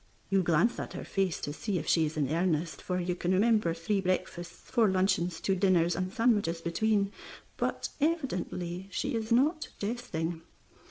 You glance at her face to see if she is in earnest, for you can remember three breakfasts, four luncheons, two dinners, and sandwiches between; but evidently she is not jesting.